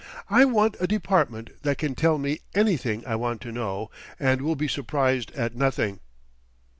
I want a Department that can tell me anything I want to know, and will be surprised at nothing."